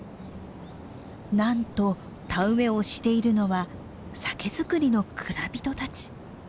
なんと田植えをしているのは酒造りの蔵人たち。